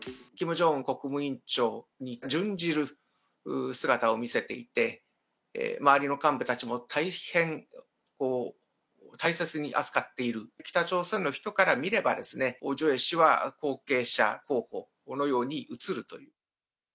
・ジョンウン国務委員長に準じる姿を見せていて、周りの幹部たちも大変、大切に扱っている北朝鮮の人から見れば、ジュエ氏は後継者候補、このように映るという。